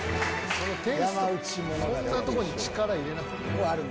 こんなとこに力入れなくていい。